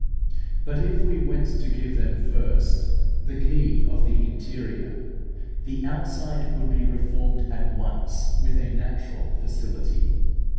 But if we were to give them first the key of the interior, the outside would be reformed at once with a natural facility.